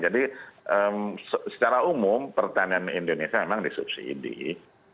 jadi secara umum pertanian indonesia memang disubsidi